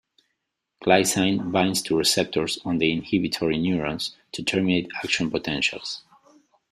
Glycine binds to receptors on inhibitory neurons to terminate action potentials.